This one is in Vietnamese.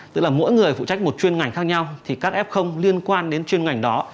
tức là mỗi người phụ trách một chuyên ngành khác nhau thì các f liên quan đến chuyên ngành đó